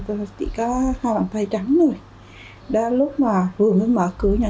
tôi chỉ có hai bàn tay trắng thôi đó là lúc mà vừa mới mở cửa